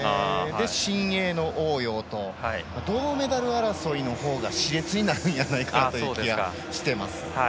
新鋭の王洋と銅メダル争いのほうがしれつになるんやないかなという気がしています。